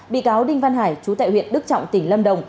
bị cáo đinh văn hải chú tại huyện đức trọng tỉnh lâm đồng